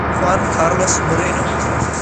Juan Carlos Moreno